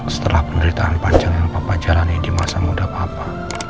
setelah penderitaan panjang yang papa jalani di masa muda papa